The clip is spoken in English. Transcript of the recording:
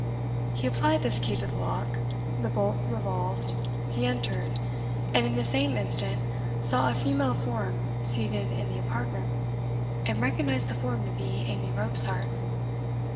He applied this key to the lock, the bolt revolved, he entered, and in the same instant saw a female form seated in the apartment, and recognized that form to be, Amy Robsart.